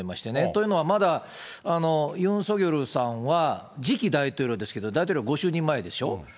というのは、まだユン・ソギョルさんは次期大統領ですけど、大統領ご就任前でしょ？